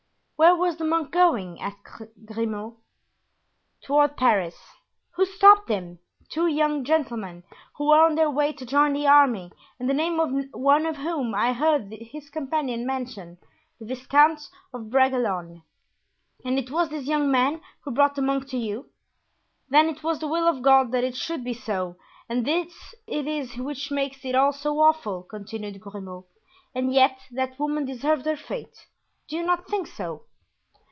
"Where was the monk going?" asked Grimaud. "Toward Paris." "Who stopped him?" "Two young gentlemen, who were on their way to join the army and the name of one of whom I heard his companion mention—the Viscount de Bragelonne." "And it was this young man who brought the monk to you? Then it was the will of God that it should be so and this it is which makes it all so awful," continued Grimaud. "And yet that woman deserved her fate; do you not think so?"